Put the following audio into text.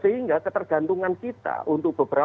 sehingga ketergantungan kita untuk beberapa negara ini